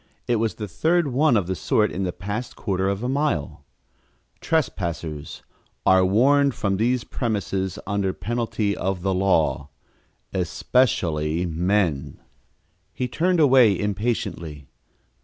It was the third one of the sort in the past quarter of a mile: TRESPASSERS Are warned from these premises under penalty of the law ESPECIALLY MEN He turned away impatiently.